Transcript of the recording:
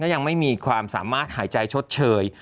ยังไม่มีความสามารถหายใจชดเชย